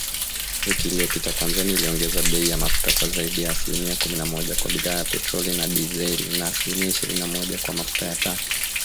Wiki iliyopita, Tanzania iliongeza bei ya mafuta kwa zaidi ya asilimia kumi na moja kwa bidhaa ya petroli na dizeli, na asilimia ishirini na moja kwa mafuta ya taa